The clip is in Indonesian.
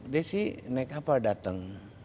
dia sih naik kapal datang